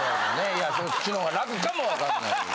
いやそっちの方が楽かもわかんないです。